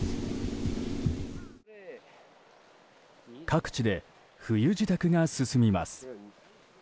各地で冬支度が進みます。